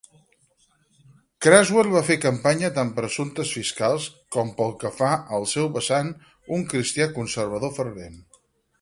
Craswell va fer campanya tant per assumptes fiscals, com pel que fa al seu vessant un cristià conservador fervent.